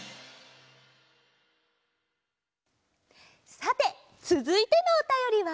さてつづいてのおたよりは。